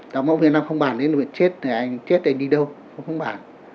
đạo mẫu việt nam không bàn đến việc chết thì anh chết thì đi đâu không bàn